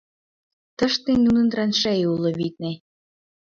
«Тыште нунын траншей уло, витне.